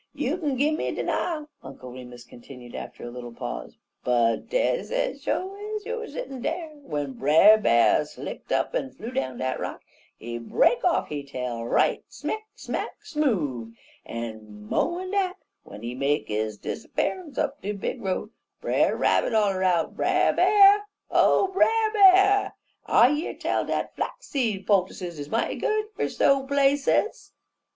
"You kin gimme denial," Uncle Remus continued after a little pause, "but des ez sho' ez you er settin' dar, w'en Brer B'ar slick'd up en flew down dat rock, he break off he tail right smick smack smoove, en mo'n dat, w'en he make his disappear'nce up de big road, Brer Rabbit holler out: "'Brer B'ar! O Brer B'ar! I year tell dat flaxseed poultices is mighty good fer so' places!'